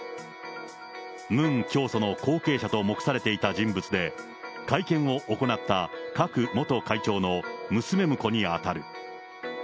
ムン教祖の後継者と目されていた人物で、会見を行ったクァク元会長の娘むこに当たる。